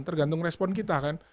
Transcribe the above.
tergantung respon kita kan